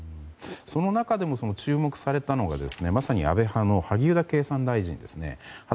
その中でも注目されたのがまさに、安倍派の萩生田経産大臣ですね。